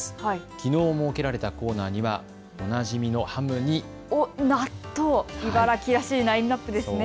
きのう設けられたコーナーには、おなじみのハムに納豆、茨城らしいラインナップですね。